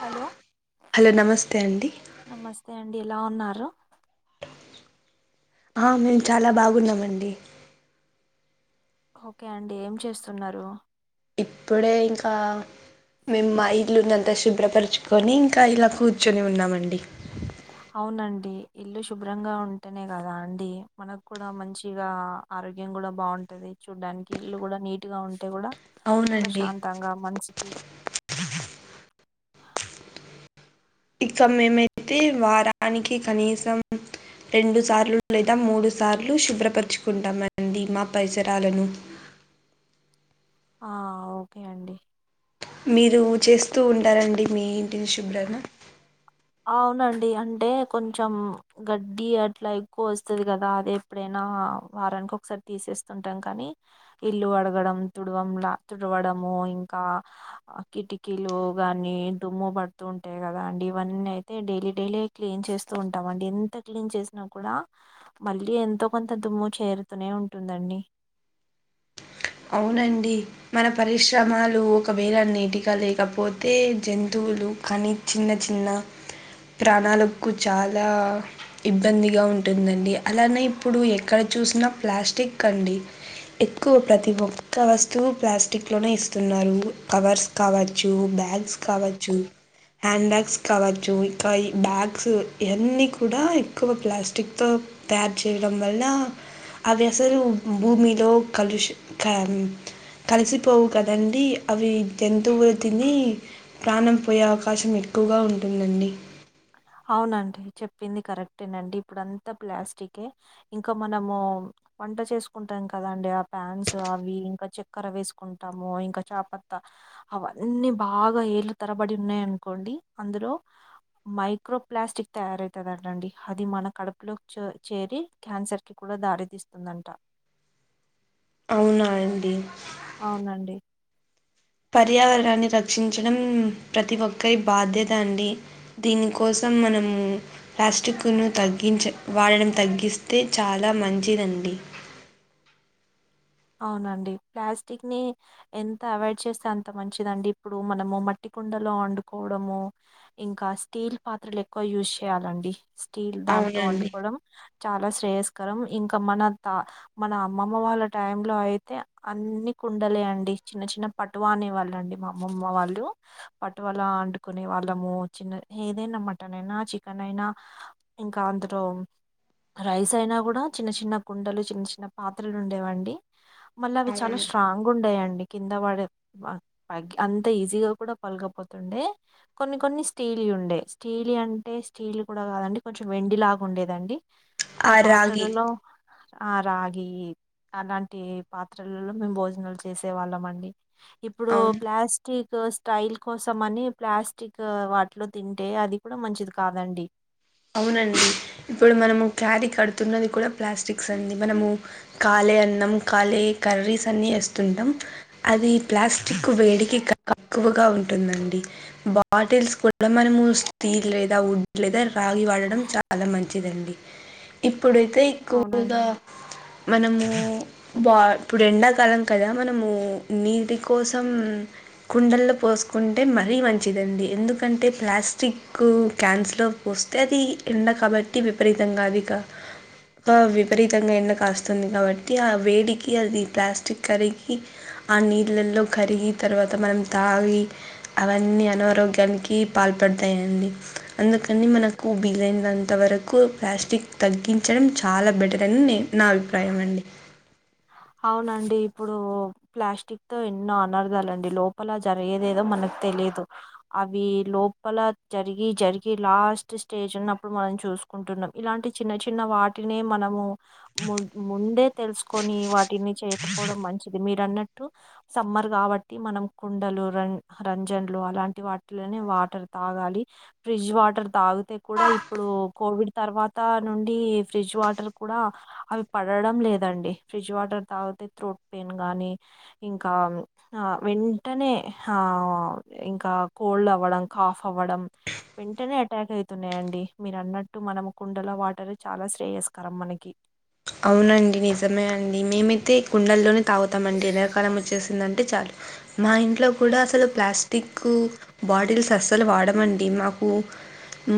Hello hello నమస్తే అండి hi అండి ఇలా ఉన్నారు ఆ మేము చాలా బాగున్నామండి ఓకే అండి ఏం చేస్తున్నారు ఇప్పుడే ఇంకా మేము మా ఇల్లున్నంత శుభ్రపరుచుకొని ఇంకా ఇలా కూర్చొని ఉన్నామండి అవునండి ఇల్లు శుభ్రంగా ఉంటేనే కదా అండి మనకు కూడా మంచిగా ఆరోగ్యం కూడా బాగుంటది చూడ్డానికి ఇల్లు కూడా నీట్ గా ఉంటే కూడా అవునండి ప్రశాంతంగా మనసుకి ఇక మేమైతే వారానికి కనీసం రెండు సార్లు లేదా మూడు సార్లు శుభ్రపరుచుకుంటామండి మా పరిసరాలను ఆ ఓకే అండి మీరు చేస్తూ ఉంటారండి మీ ఇంటిని శుభ్రణ అవునండి అంటే కొంచెం గడ్డి అట్లా ఎక్కువ వస్తది కదా అది ఎప్పుడైనా ఆ వారానికి ఒకసారి తీసేస్తుంటాం కానీ ఇల్లు కడగడం తుడ్వం ల తుడవడము ఇంకా కిటికీలు గాని దమ్ము పట్ డుతూ ఉంటాయి కదా అండి ఇవన్నీ అయితే డైలీ డైలీ క్లీన్ చేస్తూ ఉంటాం అండి ఎంత క్లీన్ చేసినా కూడా మళ్ళీ ఎంతో కొంత దుమ్ము చేరుతూనే ఉంటుందండి అవునండి మన పరిశ్రమాలు ఒకవేళ నీటిగా లేకపోతే జంతువు వులు కానీ చిన్న చిన్న ప్రాణాలకు చాలా ఇబ్బందిగా ఉంటుందండి అలానే ఇప్పుడు ఎక్కడ చూసిన ప్లాస్టిక్ కండి ఎక్కువ ప్రతి ఒక్క వస్తువు ప్లాస్టిక్ లోనే ఇస్తున్నారు కవర్స్ కావచ్చు బ్యాగ్స్ కావ చ్చు హ్యాండ్ బ్యాగ్స్ కావచ్చు ఇంకా ఈ బ్యాగ్స్ ఇవన్నీ కూడా ఎక్కువ ప్లాస్టిక్ తో తయారు చేయడం వల్ల అవి అసలు భూమిలో కలుష కంత్ కలిసిపోవు కదండి అవి జంతువులు తిని ప్రాణం పోయే అవకాశం ఎక్ ఎక్కువగా ఉంటుందండి అవునండి చెప్పింది కరెక్టేనండి ఇప్పుడు అంతా ప్లాస్టికే ఇంకా మనము వంట చేసుకుంటాం కదండి ఆ ప్యాన్స్ అవి ఇంకా చక్కెర వేసుకుంటాము ఇంకా చాపత్తా అవన్నీ బాగా ఏలు తరబడి ఉన్నాయనుకోండి అందులో మైక్ మైక్రో ప్లాస్టిక్ తయారవుతదంట అండి అది మన కడుపులోకి చేరి క్యాన్సర్ కి కూడా దారి తీస్ వస్తుందంట అవునా అండి అవునండి పర్యావరణాన్ని రక్షించడం ప్రతి ఒక్కరి బాధ్యత అండి దీనికోస మత్తం మనము ప్లాస్టిక్ను తగ్గించ వాడడం తగ్గిస్తే చాలా మంచిదండి అవునండి ప్లాస్టిక్ ని ఎంత అవాయిడ్ చేస్తే అంత మంచిదండి ఇప్పుడు మనము మట్టి కుండలో వండుకోవడము ఇంకా స్టీల్ పాత్రలు ఎక్కువ యూజ్ చేయాలండి స్టీల్ దాంట్లో అవునండి వండుకోవడం చాలా శ్రేయస్కరం ఇంకా మన త మన అమ్మమ్మ వాళ్ళ టైంలో అయితే అన్ని కుండలే అండి చిన్న చిన్న పటువానేవాళ్ళ అండి మా అమ్మమ్మ వాళ్ళు పట్టువలా అండుకునే వాళ్ళము చిన్న ఏదైనా మటన్ అయినా చికెన్ అయినా ఇంకా అంతలో రైస్ అయినా కూడా చిన్న చిన్న కుండలు చిన్న చిన్న పాత్రలు ఉండేవాం డి మళ్ళ అవి చాలా అవును స్ట్రాంగ్ ఉండయండి కింద వాడేగ అంత ఈజీగా కూడా పలకపోతుండే కొన్ని కొన్ని స్టీల్ ఉండే స్టీల్ అంటే స్టీల్ కూడా కాదండి కొంచెం వెండి లాగా ఉండేదండి ఆ పాత్రలలో ఆ రాగి అలాంటి పాత్రలలో మేము భోజనాలు చేసే వాళ్ళం అండి ఇప్పుడు అవును ప్లాస్టిక్ స్టైల్ కోసం అని ప్లాస్టిక్ వాటిలో తింటే అది కూడా మంచిది కాదండి అవునండి ఇప్పుడు మనము క్యారీ కడుతున్నది కూడా ప్లాస్టిక్స్ అండి మనము కా అం కాలే కర్రీస్ అన్ని వేస్తుంటాం అది ప్లాస్టిక్ వేడికి కా ఎక్కువగా ఉంటుందండి బాటిల్స్ కూడా మనము స్టీల్ లేదా వుడ్ లేదా రాగి వాడడం చాలా మంచిదండి ఇప్పుడైతే అవునండి. ఎక్కువగా మనము బా ఇప్పుడు ఎండ కాలం కదా మనము నీటి కోసం కుండల్లో పోసుకుంటే మరీ మంచిది దండి ఎందుకంటే ప్లాస్టిక్ క్యాన్స్ లో వస్తే అది ఎండ కాబట్టి విపరీతంగా అది ఇక విపరీతంగా ఎండ కాస్తుంది కాబట్టి ఆ వేడికి అది ప్లాస్టిక్ కర్రీగి ఆ నీళ్ళలో కరిగి తర్వాత మనం తాగి అవన్నీ అనారోగ్యానికి పాల్ పడతాయండి అందు కనీ మనకు వీలైనంత వరకు ప్లాస్టిక్ తగ్గించడం చాలా బెటర్ అని నేన్ నా అభిప్రాయం అండి అవునండి ఇప్పుడు ప్లాస్టిక్ తో ఎన్నో అనర్ధాలండి లోపల జరిగేదేదో మన తెలిదు అవి లోపల జరిగి జరిగి లాస్ట్ స్టేజ్ ఉన్నప్పుడు మనం చూ సుకుంటున్నాం ఇలాంటి చిన్న చిన్న వాటినే మనము ము ముందే తెలుసుకొని వా ఏమి చేయకపోవడం మంచిది మీరు అనటు సమ్మర్ కాబట్టి మనం కుండలు రం అలాంటి వాటిలోనే వాటర్ తాగాలి ఫ్రిడ్జ్ వాటర్ తాగితేకూడా ఇప్పుడు కు కోవిడ్ తర్వాత నుండి ఫ్రిడ్జ్ వాటర్ కూడా అవి పడడం లేదండి ఫ్రిడ్జ్ వాటర్ తాగితే త్రోట్ పెయిన్ కానీ ఇంకా వెంటనే ఇంకా కోల్డ్ అవ్వడం కాఫ్ అవ్వడం వెంటనే అటాక్ అయితున్నాయండి మీరు అన్నట్టు మనము కుండల వాటరు చాలా శ్రేయస్కరం మనకి అవునండి నిజమే అండి మేమైతే కుండల్లోనే తాగుతామండి ఎండడాకాలం వచ్చేస దంటే చాలు మా ఇంట్లో కూడా అసలు ప్లాస్టిక్ బాటిల్ అస్సలు వాడమండి మాకు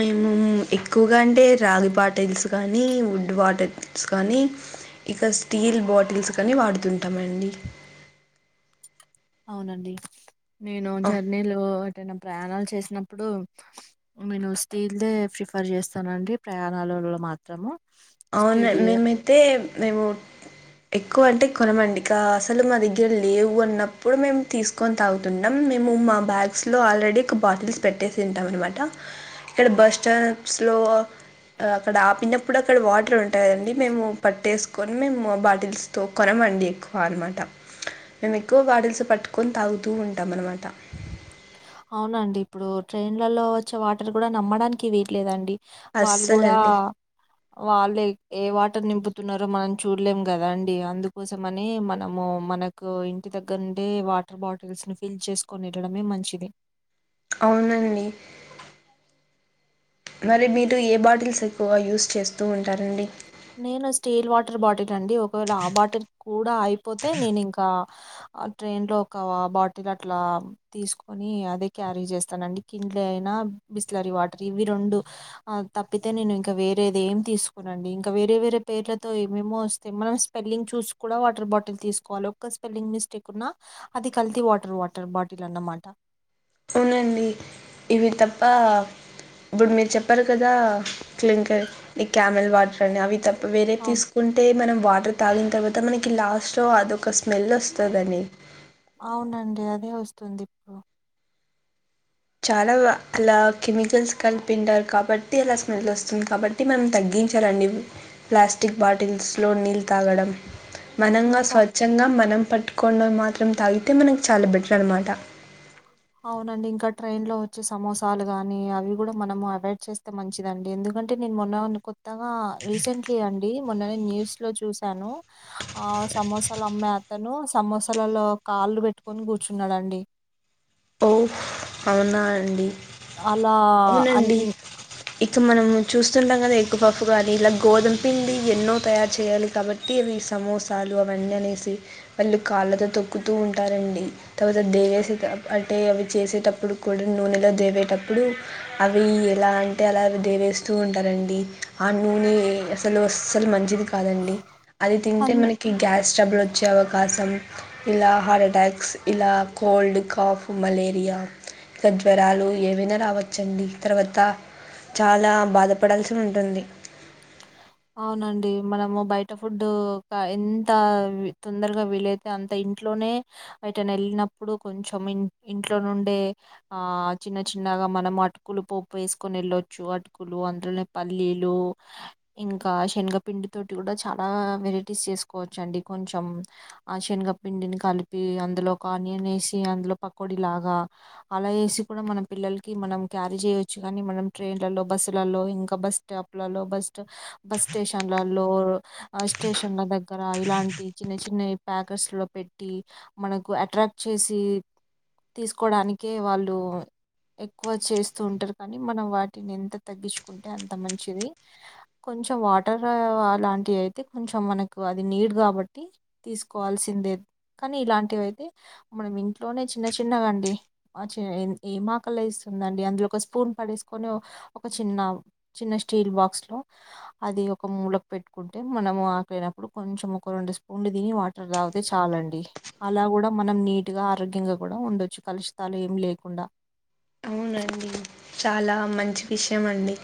మేము ఎక్కువగా అంటే రాగి బాటిల్స్ కానీ వుడ్ వాటర్ కానీ ఇక స్టీల్ బాటిల్స్ కానీ వాడుతుంటామండి అవునండి నేను జర్నీలో వాడడం ప్రయాణాలు చేసినప్పుడు నేను స్టీల్దే ప్రిఫర్ చేస్తానండి ప్రయాణాలలో మాత్రము అవున స్టీల్ మేమైతే మేము ఎక్కువ అంటే కొనమండి ఇక అసలు మా దగ్గర లేవు అన్నప్పుడు మేము తీసుకొని తాగుతుంటాం మేము మా బ్యాగ్స్ లో ఆల్రెడీ ఒక బాటిల్స్ పెట్టేసి ఉంటాం అనమాట ఇక్కడ బస్ స్టాప్లో అక్కడ ఆపినప్పుడు అక్కడ వాటర్ ఉంటాయండి మేము పట్టేసు కొన్నె మో బాటిల్స్ తో కొనమండి ఎక్కువ అనమాట మేము ఎక్కువ బాటల్స్ పట్టుకొని తాగుతూ ఉంటాం అనమాట అవునండి ఇప్పుడు ట్రైన్లలో వచ్చే వాటర్ కూడా నమ్మడానికి వేయట్లేదండి వాళ్ళు కూడా అస్సలండి వాళ్ళే ఏ వాటి నింపుతున్నారో మనం చూడలేం కదా అండి అందుకోసం అని మనము మనకు ఇంటి దగ్గర అంటే వాటర్ బాటిల్స్ ని ఫిల్ చేసుకొని వెళ్ళడమే మంచిది అవునండి మరి మీరు ఏ బాటిల్స్ ఎక్కువగా యూస్ చేస్తూ ఉంటారండి నేను స్టీల్ వాటర్ బాటిల్ అండి ఒకవేళ ఆ బాటిల్ కూడా అయిపోతే నేను ఇంకా ట్రైన్ లో ఒక బాటిల్ అట్లా తీసుకొని ని అదే క్యారీ చేస్తానండి కిన్లే అయినా బిస్లరీ వాటర్ ఇవి రెండు తప్పితే నే ఇంక వేరేది ఏం తీసుకొనండి ఇంక్ వేరే వేరే పేర్లతో ఏమేమో వస్తే మనం స్పెల్లింగ్ చూసి కూడా వాటర్ బాటిల్ తీసుకోవాలి ఒక్క స్పెల్లింగ్ మిస్ మిస్టేక్ ఉన్న అది కల్తీ వాటర్ వాటర్ బాటిల్ అన్నమాట అవునండి ఇవి తప్ప ఇప్పుడు మీరు చెప్పారు కదా క్లింకర్ ఈ క్యామెల్ వాటర్ అని అవి తప్ వేరేది అవును తీసుకుంటే మనం వా తాగిన తర్వాత మనకి లాస్ట్లో అదొక స్మెల్ వస్తదండి అవునండి అదే వస్తుంది ఇప్పుడు చాలా అలా కెమికల్స్ కలిపింటారు కాబట్టి అలా స్మెల్ వస్తుంది కాబట్టి మనం తగ్గి చరండి ప్లాస్క్ బాటిల్స్ లో నీళ్ తాగడం మనంగా ఇంకా స్వచ్ఛంగా మనం పట్టుకోవడం మాత్రం తాగితే మనకు చాలా బెటర్ అనమాట అవునండి ఇంకా ట్రైన్ లో వచ్చే సమోసాలు గాని అవి కూడా మనం అవాయిడ్ చేస్తే మంచిదండి ఎందుకు ఎందుకంటే నేను మొన్న కొత్తగా రీసెంట్లీ అండి మొన్ననే న్యూస్ లో చూసాను ఆ సమోసాలు అమ్మే అతను సమోసాలలో కాళ్ళు పెట్టుకొని కూర్చున్నాడండి ఓ అవునా అండి అలా అన్ అవునండి ఇక మనం చూస్తుంటాం కదా ఎక్కువ పప్పు గానీ ఇలా గోధుమ పిండి ఎన్నో తయారు చేయాలి కాబట్టి అవి సమోసాలు అవన్నీ అనేసి వాళ్ళు కాళ్ళతో తొక్కుతూ ఉంటారండి తర్వాత దే అంటే అవి చేసేటప్పుడు కూడా నూనెలో దేవేటప్పుడు అవి ఎలా అంటే అలా అవి దేవే వేస్తూ ఉంటారండి ఆ నూనె అసలు అస్సలు మంచిది కాదండి అది తింటే అన్ మనకి గ్యాస్ ట్రబులు వచ్చే అవకాశం ఇలా హార్ట్ అటాక్స్ ఇలా కోల్డ్ కాఫ్ మలేరియా ఇకా జ్వరాలు ఏమైనా రావచ్చండి తర్వాత చాలా బాధపడాల్సి ఉంటుంది అవునండి మనము బయట ఫుడ్డు ఎంత తొందరగా వీలైతే అంత ఇంట్లోనే ఎటైనా వెళ్ళినప్పుడు కొంచెం ఇంట్లో నుండే ఆ చిన్న చి చిన్నగా మనం అటుకులు పోప్పు వేసుకొని వెళ్ళొచ్చు అటుకులు అందులోనే పల్లీలు ఇంకా శనగపిండి తోటి కూడా చాలా వెరైటీస్ చేసుకోవచ్చండి కొంచెం ఆ శన్ శనగపిండి కలిపి అందులోకి ఆనియన్ వేసి అందులో పకోడీ లాగా అలా వేసి కూడా మనం మన పిల్లలకి మనం క్యారీ చేయొచ్చు కానీ మనం ట్రైన్లలో బస్సు లలో ఇంకా బస్ స్టాప్లలో బస్ బస్ స్టేషన్లలో స్టేషన్ల దగ్గర ఇలాంటి చిన్న చిన్నయి ప్యాకెట్ స్లో పెట్టి మనకు అట్రాక్ట్ చేసి తీసుకోవడానినికి వాళ్ళు ఎక్కువ చేస్తూ ఉంటారు కానీ మనం వాటిని ఎంత తగ్గించుకుంటే అంత మంచిది కొంచెం వాటర్ లాంటివి అయితే కొంచెం మనకు అది నీడ్ కాబట్టి తీసుకోవాల్సి ేడేది కానీ ఇలాంటివి అయితే మనం ఇంట్లోనే చిన్న చిన్నగాండి ఏ చే ఆకల ఇస్తుందండి అందులో ఒక స్పూన్ పడేసుకొని ఒక చిన్న చిన్న స్టీల్ బాక్స్ లో అది ఒక మూలకు పెట్టుకుంటే మనం ఆకలినప్పుడు కొంచెం ఒక రెండు స్పూన్లు తిని వాటర్ తాగితే చాలా అం డీ అలా కూడా మనం నీట్ గా ఆరోగ్యంగా కూడా ఉండొచ్చు కలుషితాలు ఏమి లేకుండా అవునండి చాలా మంచి విషయం అండి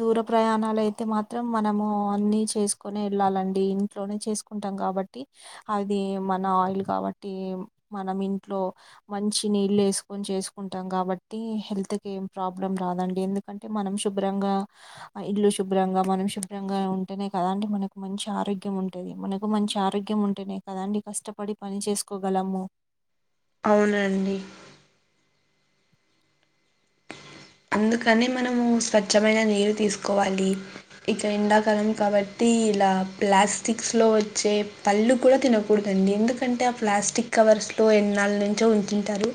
దూర ప్రయాణాలు అయితే మాత్రం మనము అన్ని చేసుకునే వెళ్ళాలండి ఇంట్లోనే చేసుకుంట కాబట్టి అ మన ఆయిల్ కాబట్టి మన ఇంట్లో మ నీళ్ళ వేసుకుని చేకుంటాం కాబట్టి హెల్త్ం ప్రాబ్లెమ్ రాదండి మన శుభ్రంగా ఇల్లు శుభ్రంగా మనం శుభ్రంగా ఉంటేనే కదా అంటే మనకు మంచి ఆరోగ్యం ఉంటుది మనకు మంచి ఆరోగ్యం ఉంటేనే కద అండి కష్టపడి పని చేసుకోగలము అవునండి అందుకనే మనము స్వచ్ఛమైన నీరు తీసుకోవాలి ఇక ఎండాకాలం కాబట్టి ఇలా ప్లాస్టిక్స్ లో వచ్చే పళ్ళు కూడా తినకూడదడి ఎందుకంటే ఆ ప్లాస్టిక్ కవర్లో వాళ్లు ఎన్నాళ్ళను ఉంచుంటారు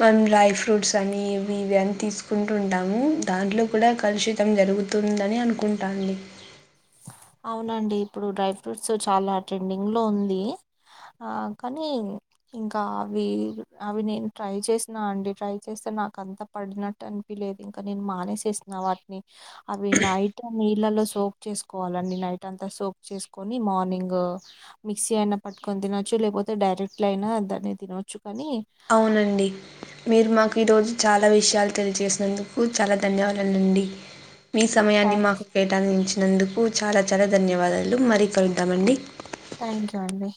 మనం డ్రై ఫ్రూట్స్ అన్ని అవి ఇవి అన్ని తీస్ కుంటుంటాము దాంట్లో కూడా కలుషితం జరుగుతుందని అనుకుంటాంది అవునండి ఇప్పుడు డ్రై ఫ్రూట్స్ చాలా ట్రెండింగ్ లో ఉంది ఆ కానీ ఇంకా అవి అవి నేను ట్రై చేసిన అండి ట్రై చేస్తా నాకంత పడినట్టు అనిపిలేదు ఇంకా నేను మానేసేసిన వాటిని అవి నై నీళ్ళ సోక్ చేసు కోవాలి అండి నైట్ అ చేసుని మార్నింగ్ మిక్సీ అయినా పట్టుకని తినొచ్చు లేకపోతే రెక్ట్ అయినా అ దని తినొచ్చు కానీ అవునండి మీరు మాకు ఈరోజు చాలా విషయాలు తెలియజేసినందుకు చాలా ధన్యవాదాలు అండి మీ సమయాన్ని థ్యాంక్ మాకు కేటాయించినందుకు చాలా చాలా ధన్యవాదాలు మరీ ఇంకా ఉంటాం అండి థ్యాంక్ యూ అండీ